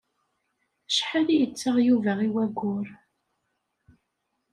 Acḥal i yettaɣ Yuba i wayyur?